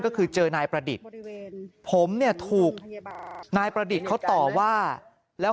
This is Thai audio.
ก็คือเจอนายประดิษฐ์ผมเนี่ยถูกนายประดิษฐ์เขาต่อว่าแล้ว